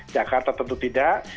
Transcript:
jakarta tentu tidak